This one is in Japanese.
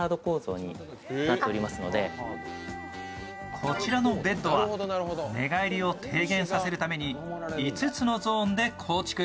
こちらのベッドは寝返りを低減させるために５つのゾーンで構築。